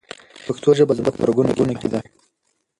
پښتو ژبه زموږ په رګونو کې ده.